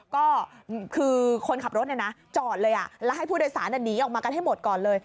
ก็คือคนขับรถจอดเลยแล้วให้ผู้โดยสารหนีออกมากันให้หมดก่อนเลย